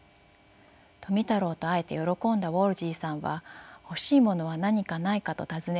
富太郎と会えて喜んだウォールヂーさんは「欲しいものは何かないか？」と尋ねました。